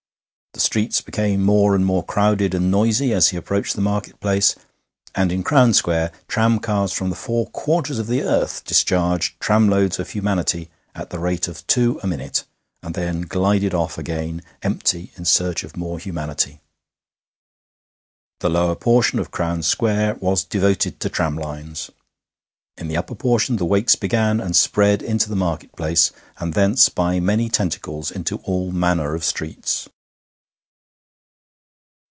The streets became more and more crowded and noisy as he approached the market place, and in Crown Square tramcars from the four quarters of the earth discharged tramloads of humanity at the rate of two a minute, and then glided off again empty in search of more humanity. The lower portion of Crown Square was devoted to tramlines; in the upper portion the Wakes began, and spread into the market place, and thence by many tentacles into all manner of streets.